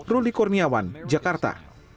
ruli kurniawan jakarta